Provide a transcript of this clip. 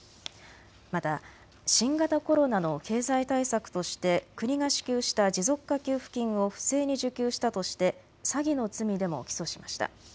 また新型コロナの経済対策として国が支給した持続化給付金を不正に受給したとして詐欺の罪でも起訴しました。